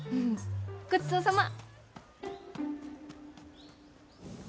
ごちそうさま！